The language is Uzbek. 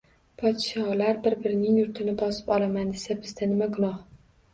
Podsholar bir-birining yurtini bosib olaman desa bizda nima gunoh.